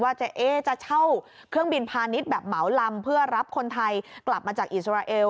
เจ๊เอ๊จะเช่าเครื่องบินพาณิชย์แบบเหมาลำเพื่อรับคนไทยกลับมาจากอิสราเอล